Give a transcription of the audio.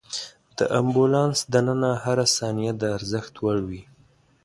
د امبولانس دننه هره ثانیه د ارزښت وړ وي.